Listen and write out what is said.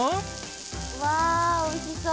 うわ美味しそう！